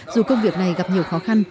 dù công việc này gặp nhiều khó khăn